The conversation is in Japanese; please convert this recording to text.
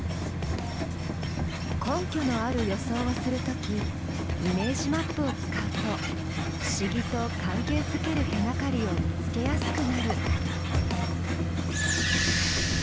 根拠のある予想をする時イメージマップを使うと不思議と関係づける手がかりを見つけやすくなる。